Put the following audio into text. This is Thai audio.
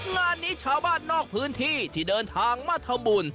งานนี้ชาวบ้านนอกพื้นที่ที่เดินทางมาทำบุญ